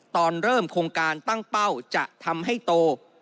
ตอนเริ่มโครงการตั้งเป้าจะทำให้โต